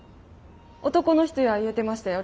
男の人や言うてましたよ